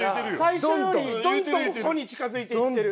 最初よりどんどん「ほ」に近づいていってる。